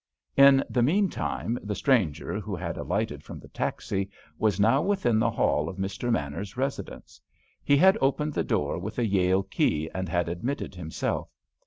In the meantime the stranger, who had alighted from the taxi, was now within the hall of Mr. Manners's residence. He had opened the door with a Yale key and had admitted himself.